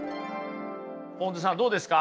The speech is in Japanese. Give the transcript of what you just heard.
ぽんづさんどうですか？